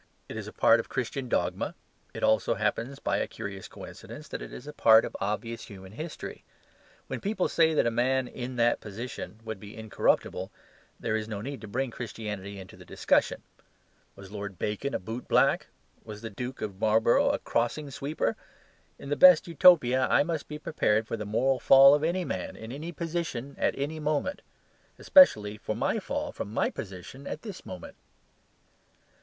It is a part of Christian dogma; it also happens by a curious coincidence that it is a part of obvious human history. When people say that a man "in that position" would be incorruptible, there is no need to bring Christianity into the discussion. Was Lord Bacon a bootblack? Was the Duke of Marlborough a crossing sweeper? In the best Utopia, I must be prepared for the moral fall of any man in any position at any moment; especially for my fall from my position at this moment.